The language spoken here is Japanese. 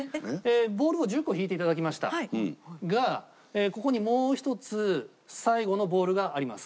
ボールを１０個引いていただきましたがここにもう１つ最後のボールがあります。